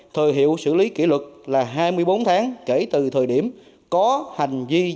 thời hiệu xử lý kỷ luật là hai mươi bốn tháng kể từ thời điểm có hành di diễn